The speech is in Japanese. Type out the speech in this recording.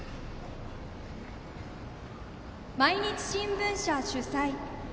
毎日新聞社主催